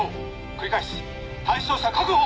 繰り返す対象者確保！